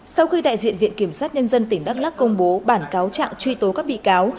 sau khi đại diện viện kiểm sát nhân dân tỉnh đắk lắc công bố bản cáo trạng truy tố các bị cáo